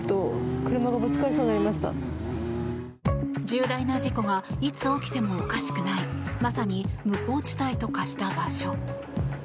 重大な事故がいつ起きてもおかしくないまさに無法地帯と化した場所。